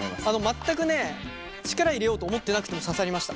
全く力を入れようと思ってなくても刺さりました。